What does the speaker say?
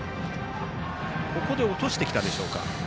落としてきたでしょうか。